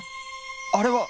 あれは！